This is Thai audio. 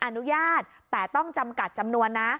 อนุญาตแต่ต้องจำกัดจำนวนนะ